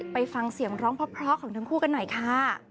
ไปฟังเสียงร้องเพราะของทั้งคู่กันหน่อยค่ะ